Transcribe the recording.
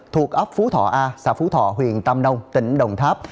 thuộc ấp phú thọ a xã phú thọ huyện tam nông tỉnh đồng tháp